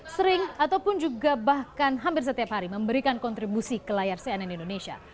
sering ataupun juga bahkan hampir setiap hari memberikan kontribusi ke layar cnn indonesia